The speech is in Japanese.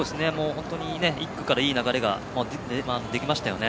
本当に１区からいい流れができましたよね。